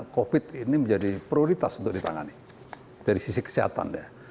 covid ini menjadi prioritas untuk ditangani dari sisi kesehatan ya